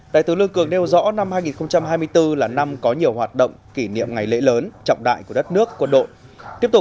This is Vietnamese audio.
đại tướng lương cường nêu rõ năm hai nghìn hai mươi bốn là năm có nhiều hoạt động kỷ niệm ngày lễ lớn trọng đại của đất nước quân đội tiếp tục